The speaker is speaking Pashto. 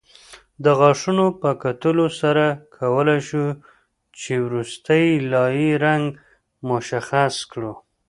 د غاښونو په کتلو سره کولای شو چې وروستۍ لایې رنګ مشخص کړو